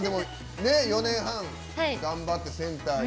４年半、頑張ってセンターに。